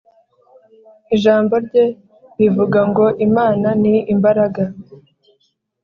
Ijambo rye rivuga ngo Imana ni imbaraga